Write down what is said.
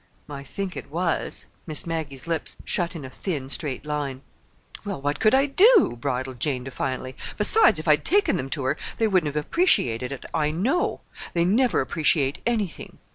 "I think it was." Miss Maggie's lips shut in a thin straight line. "Well, what could I do?" bridled Jane defiantly. "Besides, if I'd taken them to her, they wouldn't have appreciated it, I know. They never appreciate anything.